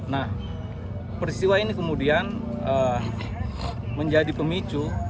nah peristiwa ini kemudian menjadi pemicu